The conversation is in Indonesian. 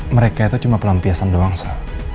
mereka itu cuma pelampiasan doang sa